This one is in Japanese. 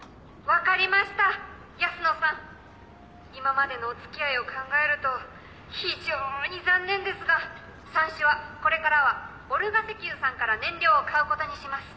・分かりました安野さん・・今までのお付き合いを考えると非常に残念ですがさんしはこれからはオルガ石油さんから燃料を買うことにします